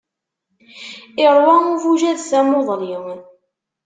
Iṛwa ubujad tamuḍli.